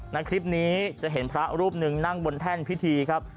ในคลิปนี้จะเห็นพระรูปหนึ่งนั่งบนแท่นพิธีครับ